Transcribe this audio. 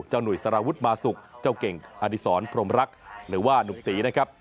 หนุ่ยสารวุฒิมาสุกเจ้าเก่งอดีศรพรมรักหรือว่าหนุ่มตีนะครับ